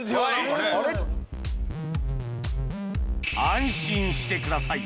安心してください